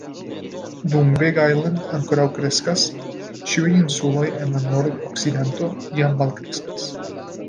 Dum "Big Island" ankoraŭ kreskas, ĉiuj insuloj en la nordokcidento jam malkreskas.